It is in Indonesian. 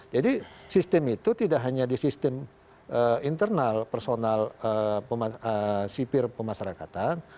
jadi sistem itu tidak hanya di sistem internal personal sipir pemasarakatan